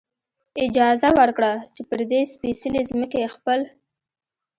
اجازه ورکړه، چې پر دې سپېڅلې ځمکې خپل.